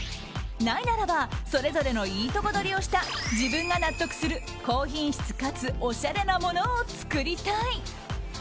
ないならばそれぞれのいいとこ取りをした自分が納得する高品質かつおしゃれなものを作りたい。